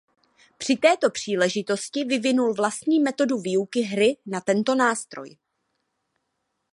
Při této příležitosti vyvinul vlastní metodu výuky hry na tento nástroj.